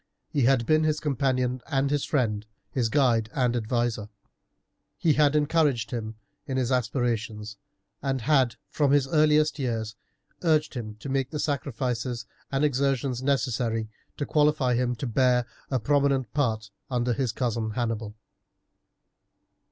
He had been his companion and his friend, his guide and adviser. He had encouraged him in his aspirations, and had from his earliest years urged him to make the sacrifices and exertions necessary to qualify him to bear a prominent part under his cousin Hannibal.